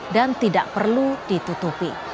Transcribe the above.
dan tidak perlu ditutupi